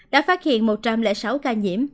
đã phát hiện một trăm linh sáu ca nhiễm